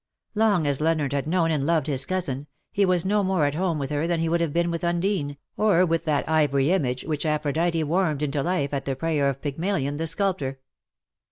Long as Leonard had known and loved his cousin^ he was no more at home with her than he would have been with Undine^ or with that ivory image which Aphro dite warmed into life at the prayer of Pygmalion the sculptor.